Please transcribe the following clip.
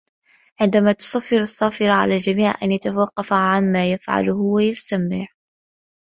عندما تصفّر الصّفّارة، على الجميع أن يتوقّف عن ما يفعله و يستمع.